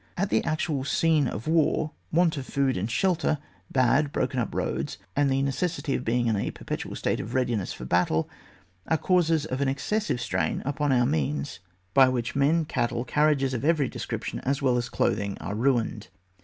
At the actual scene of war, want of food and shelter, bad broken up roads, and the nec^assity of being in a perpetual state of readiness for battle, are causes of an excessive strain upon our means, by which men, cattle, carriages of every description as well as clothing are ruined.